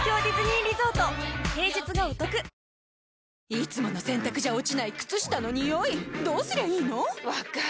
いつもの洗たくじゃ落ちない靴下のニオイどうすりゃいいの⁉分かる。